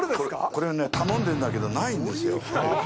これ、頼んでんだけど、ないんですよ。